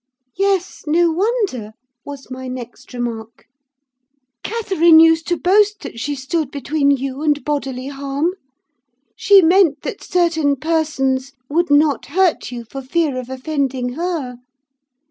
"'Yes, no wonder,' was my next remark. 'Catherine used to boast that she stood between you and bodily harm: she meant that certain persons would not hurt you for fear of offending her.